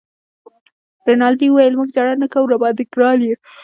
رینالډي وویل: موږ جګړه نه کوو، راباندي ګران يې.